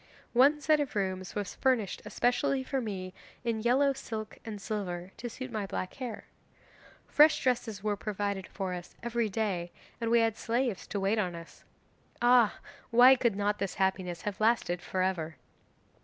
One set of rooms was furnished especially for me in yellow silk and silver, to suit my black hair. Fresh dresses were provided for us every day, and we had slaves to wait on us. Ah, why could not this happiness have lasted for ever!